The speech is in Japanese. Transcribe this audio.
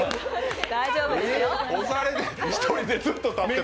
干されて、一人でずっと立ってて。